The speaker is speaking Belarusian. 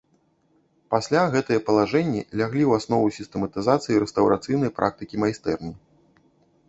Пасля гэтыя палажэнні ляглі ў аснову сістэматызацыі рэстаўрацыйнай практыкі майстэрні.